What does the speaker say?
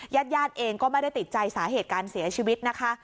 ญาติญาติเองก็ไม่ได้ติดใจสาเหตุการเสียชีวิตนะคะ